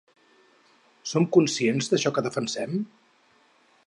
Som conscients d’això que defensem?